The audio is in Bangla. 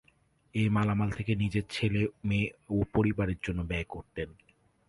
এই মালামাল থেকে নিজের ছেলে-মেয়ে ও পরিবারের জন্য ব্যয় করতেন।